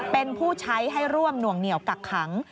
เป็นผู้ใช้ให้ร่วมหน่วงเหนียวกักขัง